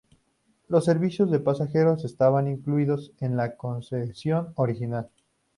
Los servicios de pasajeros estaban incluidos en la concesión original.